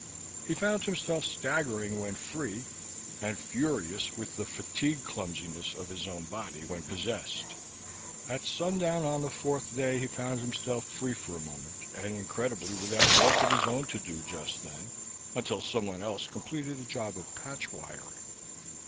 He found himself staggering when free, and furious with the fatigue clumsiness of his own body when possessed. At sundown on the fourth day he found himself free for a moment and, incredibly, without work of his own to do just then, until someone else completed a job of patchwiring.